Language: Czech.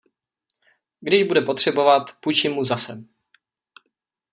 Když bude potřebovat, půjčím mu zase.